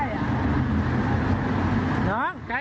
ที่เซอแคร์โฟ่